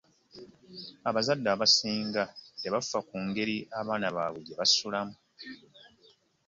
Abazadde abasinga tebafa ku ngeri abaana baabwe gye basulamu.